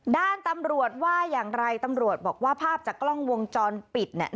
ด้านตำรวจว่าอย่างไรตำรวจบอกว่าภาพจากกล้องวงจรปิดเนี่ย